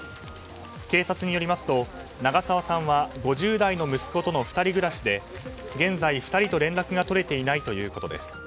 警察によりますと長澤さんは５０代の息子との２人暮らしで、現在２人と連絡が取れていないということです。